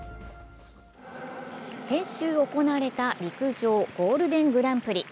先週行われた陸上ゴールデングランプリ。